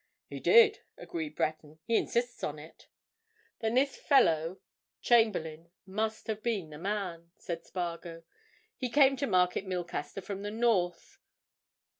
"He did," agreed Breton. "He insists on it." "Then this fellow Chamberlayne must have been the man," said Spargo. "He came to Market Milcaster from the north.